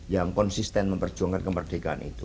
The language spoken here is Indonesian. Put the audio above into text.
yang konsisten memperjuangkan kemerdekaan itu